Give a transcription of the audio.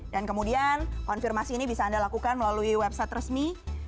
dan kemudian konfirmasi ini bisa anda lakukan melalui website resmi